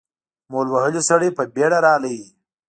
مول وهلی سړی په بېړه راغی.